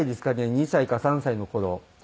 ２歳か３歳の頃。